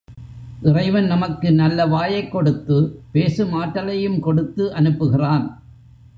இறைவன் நமக்கு நல்ல வாயைக் கொடுத்து, பேசும் ஆற்றலையும் கொடுத்து அனுப்புகிறான்.